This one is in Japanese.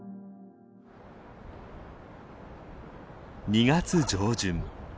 ２月上旬。